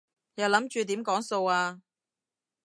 又諗住點講數啊？